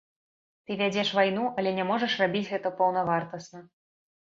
Ты вядзеш вайну, але не можаш рабіць гэта паўнавартасна.